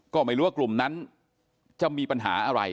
ก็ไม่รู้ว่ากลุ่มนั้นจะมีปัญหาอะไร